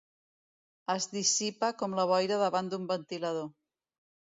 Es dissipa com la boira davant d'un ventilador.